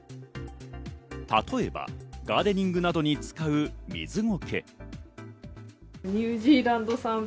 例えば、ガーデニングなどに使う水苔。